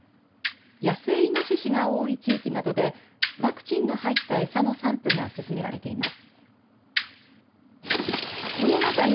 野生イノシシが多い地域などでワクチンの入ったエサの散布が進められています。